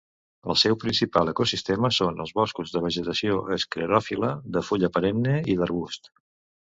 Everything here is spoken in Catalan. El seu principal ecosistema són els boscos de vegetació esclerofil·la de fulla perenne i d'arbust.